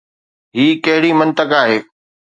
هي ڪهڙي منطق آهي؟